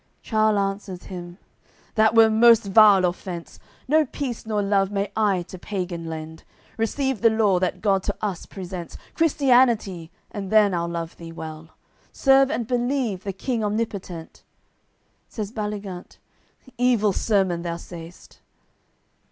Charle answers him: "That were most vile offence; No peace nor love may I to pagan lend. Receive the Law that God to us presents, Christianity, and then I'll love thee well; Serve and believe the King Omnipotent!" Says Baligant: "Evil sermon thou saist."